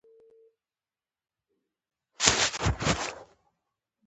غواړي متدینه ټولنه پر غوږ ووهي.